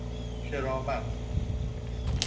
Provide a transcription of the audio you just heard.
کرامت